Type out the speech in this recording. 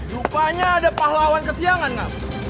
rupanya ada pahlawan kesiangan gak